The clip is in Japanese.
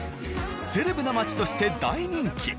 セレブな街として大人気。